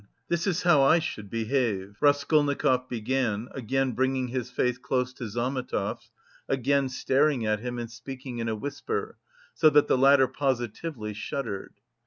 This is how I should behave," Raskolnikov began, again bringing his face close to Zametov's, again staring at him and speaking in a whisper, so that the latter positively shuddered.